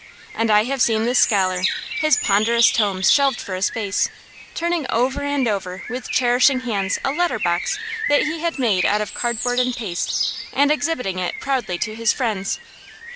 And I have seen this scholar, his ponderous tomes shelved for a space, turning over and over with cherishing hands a letter box that he had made out of card board and paste, and exhibiting it proudly to his friends.